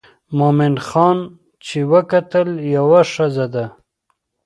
مومن خان چې وکتل یوه ښځه ده.